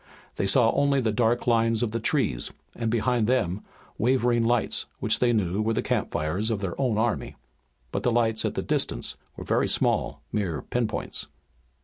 They saw only the dark line of the trees, and behind them, wavering lights which they knew were the campfires of their own army. But the lights at the distance were very small, mere pin points.